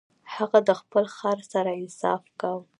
هغه د خپل خر سره انصاف کاوه.